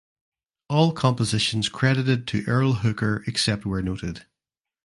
All compositions credited to Earl Hooker except where noted